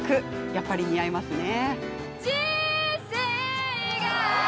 やっぱり似合いますよね！